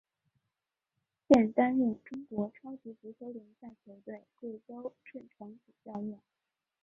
现担任中国超级足球联赛球队贵州智诚主教练。